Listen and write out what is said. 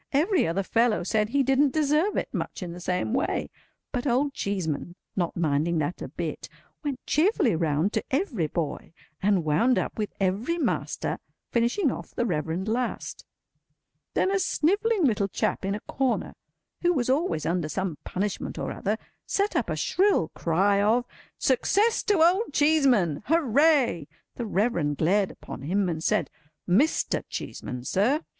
Every other fellow said he didn't deserve it, much in the same way; but Old Cheeseman, not minding that a bit, went cheerfully round to every boy, and wound up with every master—finishing off the Reverend last. Then a snivelling little chap in a corner, who was always under some punishment or other, set up a shrill cry of "Success to Old Cheeseman! Hooray!" The Reverend glared upon him, and said, "Mr. Cheeseman, sir."